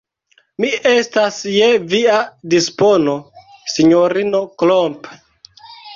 Mi estas je via dispono, sinjorino Klomp.